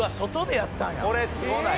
これすごない？